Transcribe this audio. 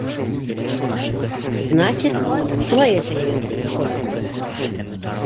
— Значит, шулай йәшәйһегеҙ выходит!